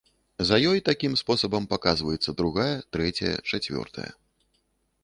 За ёй такім спосабам паказваецца другая, трэцяя, чацвёртая.